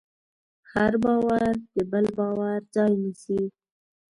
هر باور د بل باور ځای نيسي.